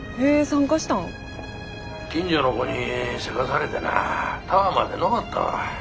近所の子にせかされてなタワーまで上ったわ。